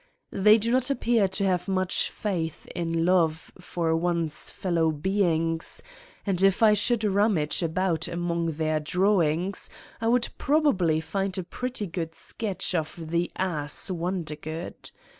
They do not appear to have much faith in love for one's fellow beings and if I should rummage about among their drawings, I would probably find a pretty good sketch of the ass Wondergood.